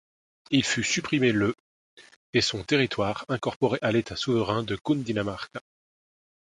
Il fut supprimé le et son territoire incorporé à l'État souverain de Cundinamarca.